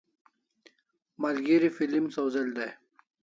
Malgeri film sawz'el dai